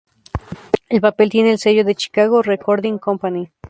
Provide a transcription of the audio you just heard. El papel tiene el sello de Chicago Recording Company.